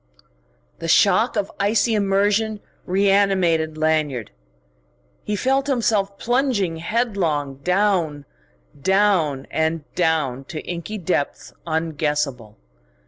The shock of icy immersion reanimated Lanyard. He felt himself plunging headlong down, down, and down to inky depths unguessable.